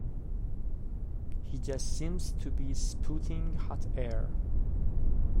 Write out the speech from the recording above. He just seems to be spouting hot air.